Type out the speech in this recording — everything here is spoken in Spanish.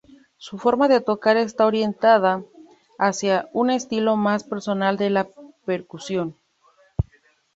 Su forma de tocar está orientada hacia un estilo más personal de la percusión.